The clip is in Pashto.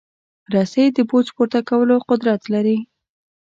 رسۍ د بوج پورته کولو قدرت لري.